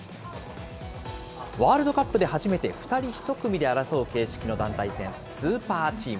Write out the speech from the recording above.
ワールドカップで初めて２人１組で争う形式の団体戦、スーパーチーム。